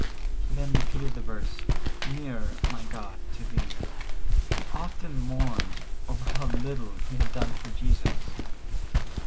He then repeated the verse: "Nearer, my God, to Thee." He often mourned over how little he had done for Jesus.